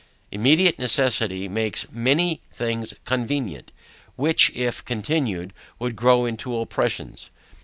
Immediate necessity makes many things convenient, which if continued would grow into oppressions.